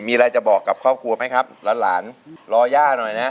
มีอะไรจะบอกกับครอบครัวไหมครับหลานรอย่าหน่อยนะ